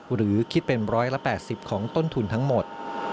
หรือคิดเป็น๑๘๐ของต้นทุนทั้งหมด